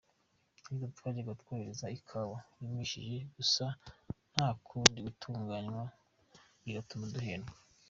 Yagize ati“Twajyaga twohereza ikawa yumishije gusa nta kundi gutunganywa bigatuma duhendwa.